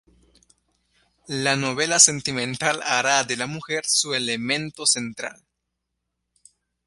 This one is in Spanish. La novela sentimental hará de la mujer su elemento central.